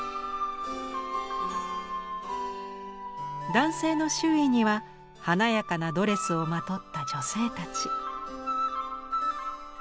男性の周囲には華やかなドレスをまとった女性たち。